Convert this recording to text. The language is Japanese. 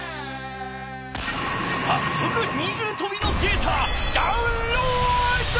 さっそく二重とびのデータダウンロード！